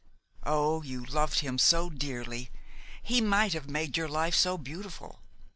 Oh! you loved him so dearly! He might have made your life so beautiful!